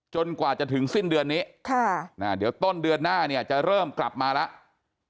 กว่าจะถึงสิ้นเดือนนี้เดี๋ยวต้นเดือนหน้าเนี่ยจะเริ่มกลับมาแล้ว